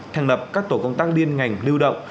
thành lập các tổ công tăng điên ngành lưu động